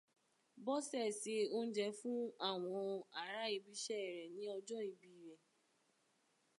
Bọ́sẹ̀ se oúnjẹ fún àwọn ará ibiṣẹ́ rẹ̀ ní ọjọ́ ìbí rẹ̀.